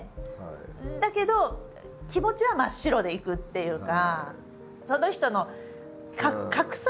だけど気持ちは真っ白でいくっていうか。